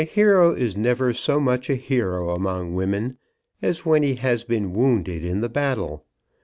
A hero is never so much a hero among women as when he has been wounded in the battle.